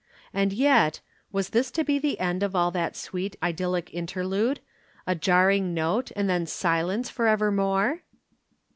And yet, was this to be the end of all that sweet idyllic interlude, a jarring note and then silence for evermore?